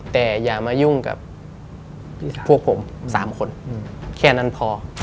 แต่อย่ามายุ่งกับพวกผม๓คนแค่นั้นพอ